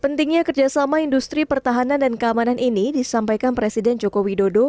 pentingnya kerjasama industri pertahanan dan keamanan ini disampaikan presiden joko widodo